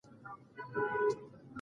هغه کس چې مقابله کوي، ستړی کېږي نه.